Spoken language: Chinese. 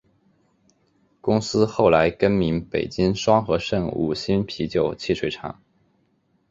公司后来改名北京双合盛五星啤酒汽水厂。